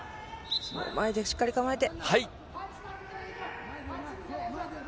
前でしっかり構えて。